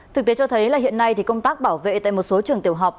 thực tế cho thấy là hiện nay thì công tác bảo vệ tại một số trường tiểu học